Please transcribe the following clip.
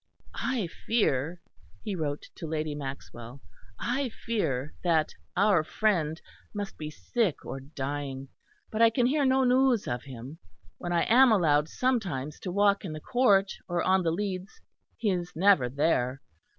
"I fear," he wrote to Lady Maxwell, "I fear that our friend must be sick or dying. But I can hear no news of him; when I am allowed sometimes to walk in the court or on the leads he is never there.